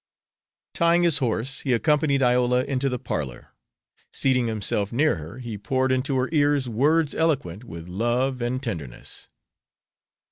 Tying his horse, he accompanied Iola into the parlor. Seating himself near her, he poured into her ears words eloquent with love and tenderness.